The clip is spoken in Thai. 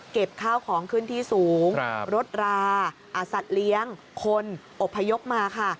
ข้าวของขึ้นที่สูงรถราสัตว์เลี้ยงคนอบพยพมาค่ะ